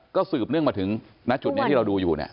ก็สืบเนื่องมาถึงณจุดนี้ที่เราดูอยู่เนี่ย